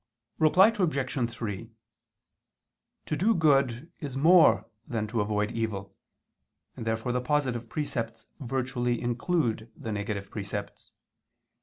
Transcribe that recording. Reply Obj. 3: To do good is more than to avoid evil, and therefore the positive precepts virtually include the negative precepts.